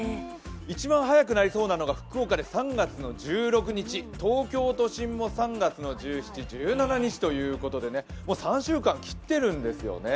一番早くなりそうなのが福岡で３月の１６日東京都心も３月１７日ということでもう３週間切っているんですよね。